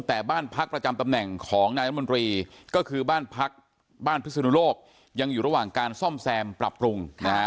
แต่บ้านพักประจำตำแหน่งของนายรัฐมนตรีก็คือบ้านพักบ้านพิศนุโลกยังอยู่ระหว่างการซ่อมแซมปรับปรุง